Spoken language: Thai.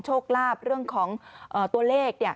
โชคลาภเรื่องของตัวเลข